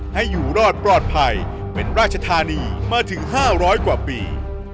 ให้อยู่รอดปลอดภัยเป็นราชธานีมาถึง๕๐๐กว่าปี